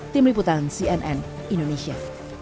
tim liputan cnn indonesia